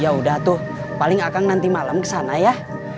ya udah tuh paling akan nanti malam kesana ya